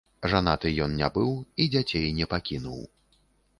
Жанаты ён не быў і дзяцей не пакінуў.